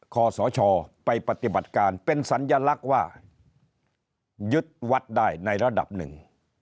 ขอสชไปปฏิบัติการเป็นสัญลักษณ์ว่ายึดวัดได้ในระดับหนึ่ง